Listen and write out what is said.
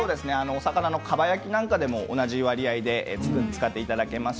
魚のかば焼きにも同じ割合で使っていただけます。